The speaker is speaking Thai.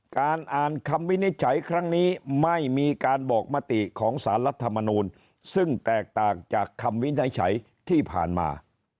การอ่านคำวินิจฉัยครั้งนี้ไม่มีการบอกมติของสารรัฐมนูลซึ่งแตกต่างจากคำวินิจฉัยที่ผ่านมา